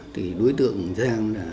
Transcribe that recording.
thì đối tượng giang